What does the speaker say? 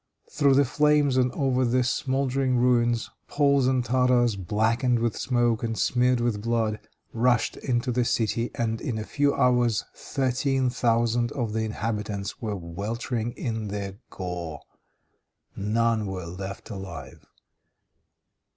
Through the flames and over the smouldering ruins, Poles and Tartars, blackened with smoke and smeared with blood, rushed into the city, and in a few hours thirteen thousand of the inhabitants were weltering in their gore. None were left alive.